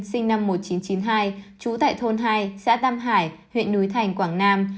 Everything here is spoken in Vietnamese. sinh năm một nghìn chín trăm chín mươi hai trú tại thôn hai xã tam hải huyện núi thành quảng nam